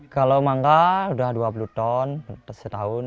kalau mangga sudah dua puluh ton setahun